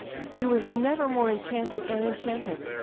He was never more enchanting and enchainted.